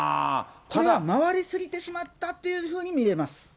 これが回り過ぎてしまったというふうに見れます。